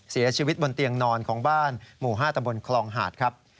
เสียชีวิตบนเตียงนอนของบ้านหมู่๕ตำบลคลองหาดครับ